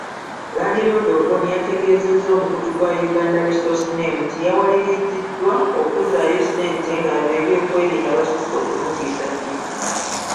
Landiroodi Oboni yategeezezza omukutu gwa Uganda Resource Name, nti yawaliriziddwa okuzzaayo ssente ng'abeebyokwerinda basusse okumutiisatiisa.